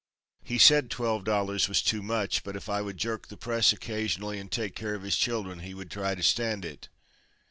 He said twelve dollars was too much, but if I would jerk the press occasionally and take care of his children he would try to stand it.